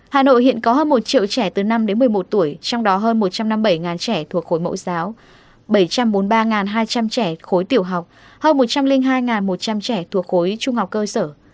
hà nội hiện có hơn một triệu trẻ từ năm đến một mươi một tuổi trong đó hơn một trăm năm mươi bảy trẻ thuộc khối mẫu giáo bảy trăm bốn mươi ba hai trăm linh trẻ khối tiểu học hơn một trăm linh hai một trăm linh trẻ thuộc khối trung học cơ sở